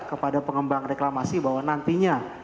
kepada pengembang reklamasi bahwa nantinya